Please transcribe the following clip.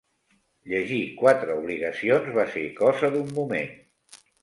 Llegir quatre obligacions, va ser cosa d'un moment.